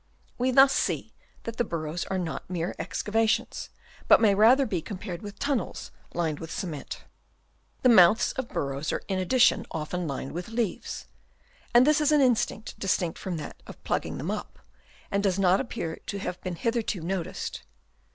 We thus see that the burrows are not mere excavations, but may rather be compared with tunnels lined with cement. The mouths of the burrow are in addition often lined with leaves ; and this is an instinct distinct from that of plugging them up, and does not appear to have been hitherto noticed.